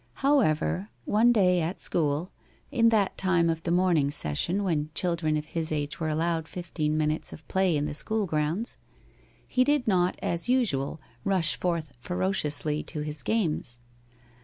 However, one day at school, in that time of the morning session when children of his age were allowed fifteen minutes of play in the school grounds, he did not as usual rush forth ferociously to his games.